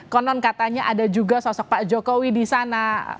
konon katanya ada juga sosok pak jokowi di sana